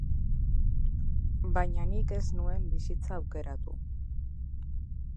Baina nik ez nuen bizitza aukeratu.